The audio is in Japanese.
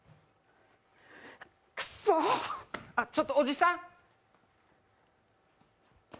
くっそちょっとおじさん